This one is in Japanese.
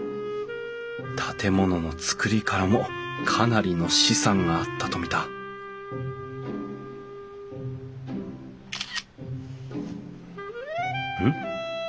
建物の造りからもかなりの資産があったと見たうん？